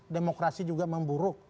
demokrasi juga memburuk